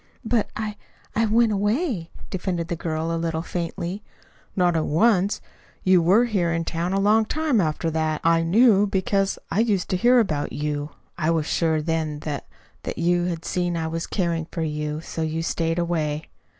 "But I I went away," defended the girl, a little faintly. "Not at once. You were here in town a long time after that. I knew because I used to hear about you. I was sure then that that you had seen I was caring for you, and so you stayed away.